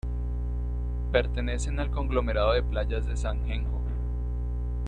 Pertenecen al conglomerado de playas de Sangenjo.